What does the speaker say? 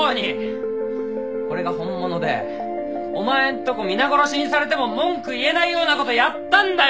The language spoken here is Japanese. これが本物でお前んとこ皆殺しにされても文句言えないような事をやったんだよ